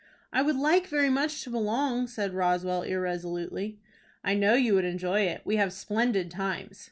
"I would like very much to belong," said Roswell, irresolutely. "I know you would enjoy it. We have splendid times."